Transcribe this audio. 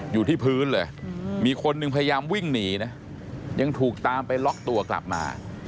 อยู่ที่พื้นเลยมีคนหนึ่งพยายามวิ่งหนีนะยังถูกตามไปล็อกตัวกลับมา